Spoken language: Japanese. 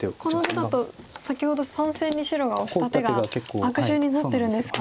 この図だと先ほど３線に白がオシた手が悪手になってるんですか。